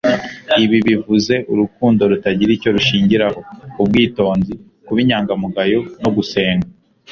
ibi bivuze urukundo rutagira icyo rushingiraho, ubwitonzi, kuba inyangamugayo, no gusenga